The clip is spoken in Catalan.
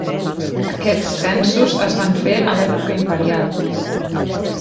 Aquests censos es van fer a l'època imperial.